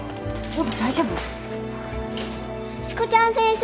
大丈夫？しこちゃん先生！